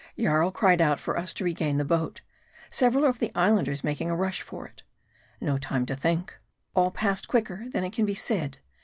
Jarl cried out for us to regain the boat, several of the Islanders making a rush for it. No time to think. All passed quicker than it can be said.